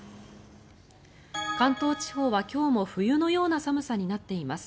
関東地方は今日も冬のような寒さになっています。